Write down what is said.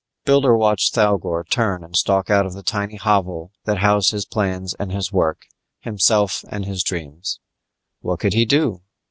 Builder watched Thougor turn and stalk out of the tiny hovel that housed his plans and his work, himself and his dreams. What could he do?